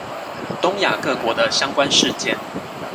東亞各國的相關事件